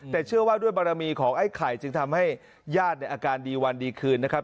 แต่เชื่อว่าด้วยบารมีของไอ้ไข่จึงทำให้ญาติในอาการดีวันดีคืนนะครับ